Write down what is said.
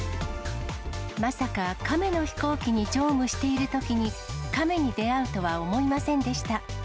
まさかカメの飛行機に乗務しているときに、カメに出会うとは思いませんでした。